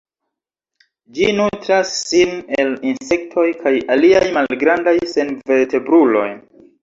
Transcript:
Ĝi nutras sin el insektoj kaj aliaj malgrandaj senvertebruloj.